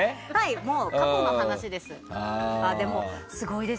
もう過去の話です。